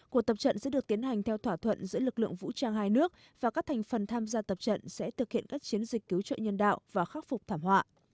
cuộc tập trận sẽ được tiến hành theo thỏa thuận giữa lực lượng vũ trang hai nước và các thành phần tham gia tập trận sẽ thực hiện các chiến dịch cứu trợ nhân đạo và khắc phục thảm họa